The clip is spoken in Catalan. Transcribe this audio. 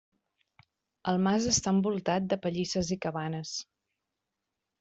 El mas està envoltat de pallisses i cabanes.